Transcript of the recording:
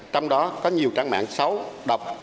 trong đó có nhiều trang mạng xấu độc